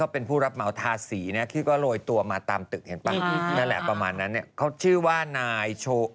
โลกออนไลน์เนี่ยเขาแชร์คลิปกันเลย